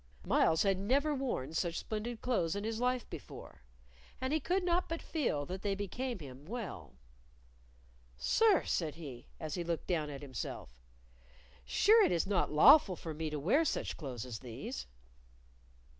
Myles had never worn such splendid clothes in his life before, and he could not but feel that they became him well. "Sir," said he, as he looked down at himself, "sure it is not lawful for me to wear such clothes as these."